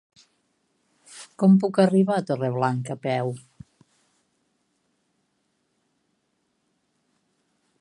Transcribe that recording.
Com puc arribar a Torreblanca a peu?